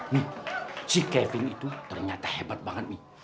nih si kevin itu ternyata hebat banget mi